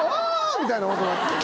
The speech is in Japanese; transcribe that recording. みたいな音になってる。